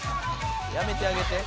やめてあげて」